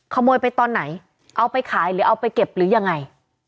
ขโมยไปตอนไหนเอาไปขายหรือเอาไปเก็บหรือยังไง